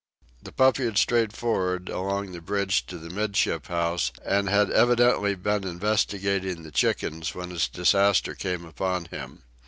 The puppy had strayed for'ard along the bridge to the 'midship house, and had evidently been investigating the chickens when his disaster came upon him.